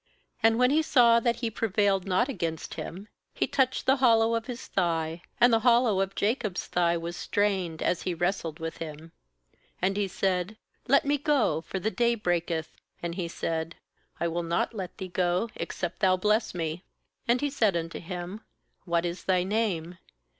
^And when he saw that he prevailed not against him, he touched the hollow of his thigh; and the hollow of Jacob's thigh was strained, as he wrestled with him. 27And he said: 'Let me go, for the day breaketh/ And he said: 'I will not let thee go, except thou bless me/ 28And he said unto him: 'What is thy name?'